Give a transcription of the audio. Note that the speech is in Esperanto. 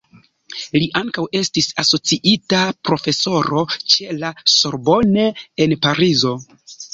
Li ankaŭ estis asociita profesoro ĉe la Sorbonne en Parizo.